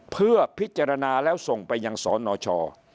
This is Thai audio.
เพื่อพิจารณาแล้วส่งไปยังสนช